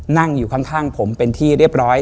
นั่งอยู่ข้างผมเป็นที่เรียบร้อย